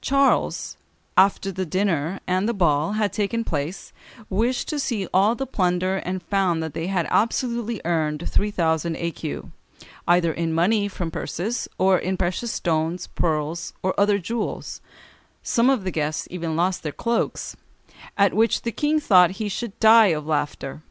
Charles, "after the dinner and the ball had taken place, wished to see all the plunder, and found that they had absolutely earned three thousand écus, either in money from purses, or in precious stones, pearls, or other jewels; some of the guests even lost their cloaks, at which the King thought he should die of laughter."